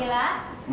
kamilah untuk papa